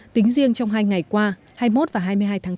tính riêng trong hai ngày qua hai mươi một và hai mươi hai tháng bốn